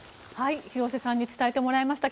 廣瀬さんに伝えてもらいました。